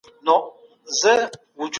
را ټول یې کړی تخمونه